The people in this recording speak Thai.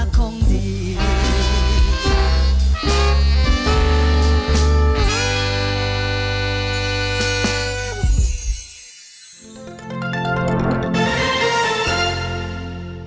สักวันบุญมาแช่ตาคงดี